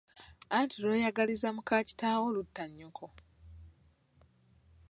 Anti lw'oyagaliza muka kitaawo lutta nnyoko.